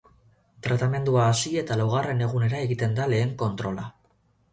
Tratamendua hasi eta laugarren egunera egiten da lehen kontrola.